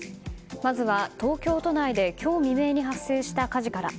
まずは東京都内で今日未明に発生した火事から。